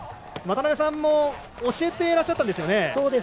渡辺さんも教えていらっしゃったんですよね。